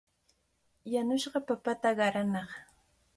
Yanushqa papata qaranaaq.